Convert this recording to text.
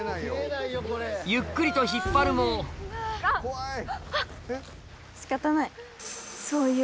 ゆっくりと引っ張るも仕方ない。